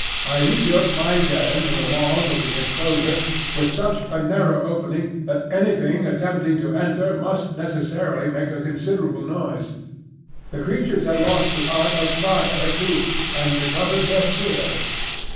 I rebuilt my den in the walls of the enclosure, with such a narrow opening that anything attempting to enter must necessarily make a considerable noise. The creatures had lost the art of fire too, and recovered their fear of it.